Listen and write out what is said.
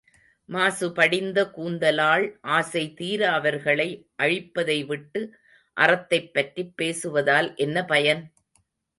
மாசு படிந்த கூந்தலாள் ஆசைதீர அவர்களை அழிப்பதை விட்டு அறத்தைப் பற்றிப் பேசுவதால் என்ன பயன்?